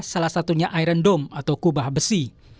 salah satunya iron dome atau kubah besi